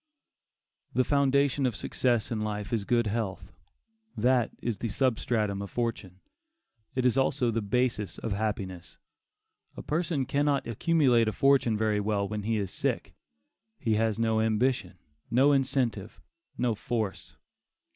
'" The foundation of success in life is good health; that is the substratum of fortune; it is also the basis of happiness. A person cannot accumulate a fortune very well when he is sick. He has no ambition; no incentive; no force.